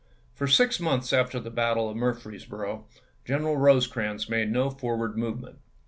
For six months after the battle of Murfreesboro General Rosecrans made no for ward movement.